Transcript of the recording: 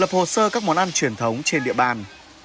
đồng thời sưu tập lập hồ sơ các món ăn truyền thống trên địa bàn